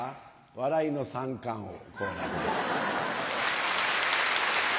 笑いの三冠王好楽です。